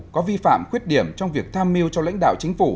có vi phạm khuyết điểm trong việc tham mưu cho lãnh đạo chính phủ